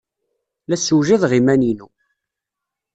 La ssewjadeɣ iman-inu.